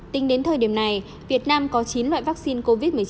tính đến thời điểm này việt nam có chín loại vaccine covid một mươi chín